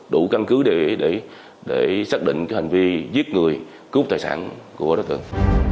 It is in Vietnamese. đủ căn cứ để xác định hành vi giết người cướp tài sản của đối tượng